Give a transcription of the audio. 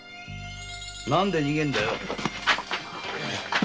何で逃げるんだよ！